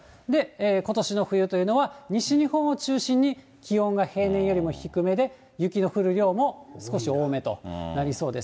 ことしの冬というのは、西日本を中心に、気温が平年よりも低めで、雪の降る量も少し多めとなりそうです。